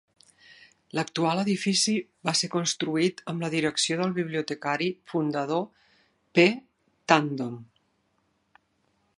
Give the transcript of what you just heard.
L'actual edifici va ser construït amb la direcció del bibliotecari fundador P. Tandon.